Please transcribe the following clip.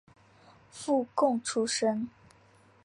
附贡出身。